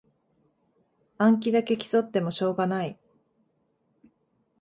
暗記だけ競ってもしょうがない